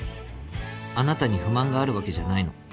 あなたに不満があるわけじゃないの」。